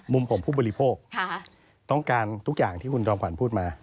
มุมของผู้บริโภคต้องการทุกอย่างที่คุณจอมขวัญพูดมา